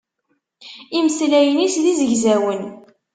Imeslayen-is d izegzawen.